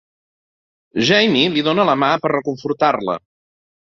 Jamie li dóna la ma per reconfortar-la.